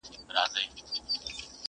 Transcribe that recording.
کار و بار وي د غزلو کښت و کار وي د غزلو.